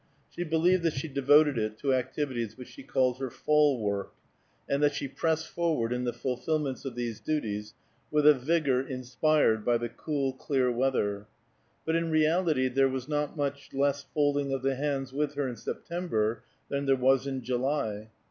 She believed that she devoted it to activities which she called her fall work, and that she pressed forward in the fulfilments of these duties with a vigor inspired by the cool, clear weather. But in reality there was not much less folding of the hands with her in September than there was in July.